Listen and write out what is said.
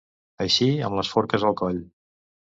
Eixir amb les forques al coll.